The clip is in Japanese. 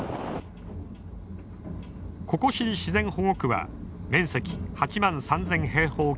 ココシリ自然保護区は面積８万３，０００。